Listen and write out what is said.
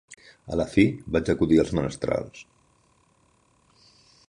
A la fi, vaig acudir als menestrals.